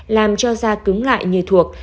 làm cho da cứng lại như thuộc